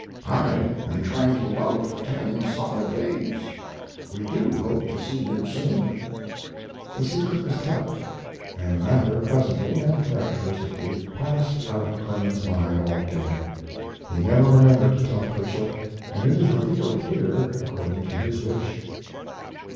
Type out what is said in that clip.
I am trying to loaf ten solid days. We do hope to see you soon. The secret was kept, and the matter presently (and characteristically) passed out of Clemens's mind altogether. He never remembered to tell Twichell, and it is revealed here, according to his wish.